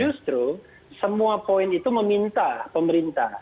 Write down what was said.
justru semua poin itu meminta pemerintah